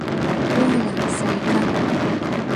Умыло, Салика.